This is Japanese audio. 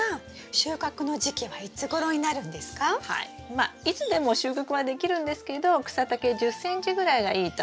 まあいつでも収穫はできるんですけど草丈１０ｃｍぐらいがいいと思います。